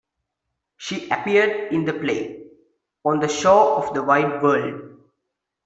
She appeared in the play, "On the Shore of the Wide World".